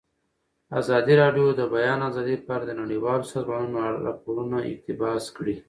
ازادي راډیو د د بیان آزادي په اړه د نړیوالو سازمانونو راپورونه اقتباس کړي.